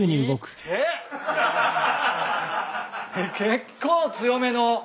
結構強めの。